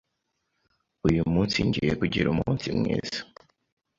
Uyu munsi ngiye kugira umunsi mwiza.